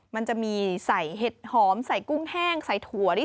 มันจะมีใส่เห็ดหอมใส่กุ้งแห้งใส่ถั่ว